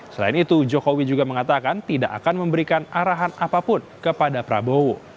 selain itu jokowi juga mengatakan tidak akan memberikan arahan apapun kepada prabowo